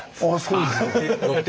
そうですか。